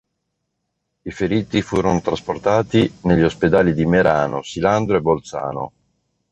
I feriti furono trasportati negli ospedali di Merano, Silandro e Bolzano.